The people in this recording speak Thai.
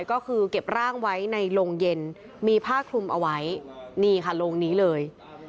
ก็คือเก็บร่างไว้ในโรงเย็นมีผ้าคลุมเอาไว้นี่ค่ะโรงนี้เลย